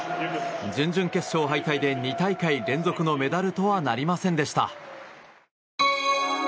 準々決勝敗退で２大会連続のメダルとはなりませんでした。